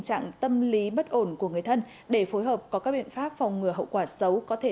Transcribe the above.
trạng tâm lý bất ổn của người thân để phối hợp có các biện pháp phòng ngừa hậu quả xấu có thể